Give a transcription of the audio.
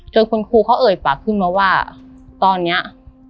คุณครูเขาเอ่ยปากขึ้นมาว่าตอนนี้